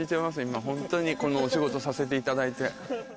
今ホントにこのお仕事させていただいて。